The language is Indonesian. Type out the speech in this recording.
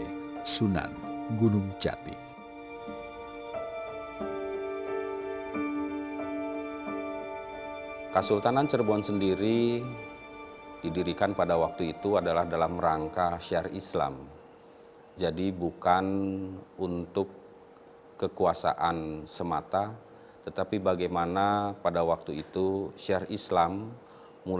ibarat cermin topeng cirebon memberi pengingat pada lagu hidup manusia agar terus mencari jati diri hingga usia senja